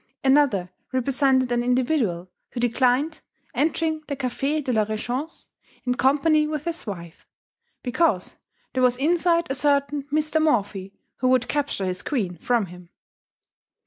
Another represented an individual who declined entering the Café de la Régence in company with his wife, "because there was inside a certain Mr. Morphy who would capture his queen from him."